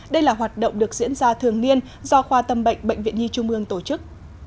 đây là hoạt động được diễn ra thường niên do khoa tâm bệnh bệnh viện nhi trung ương tổ chức